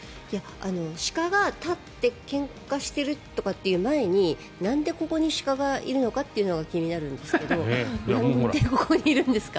鹿が立ってけんかしてるって前になんでここに鹿がいるのかというのが気になるんですけどなんでここにいるんですか？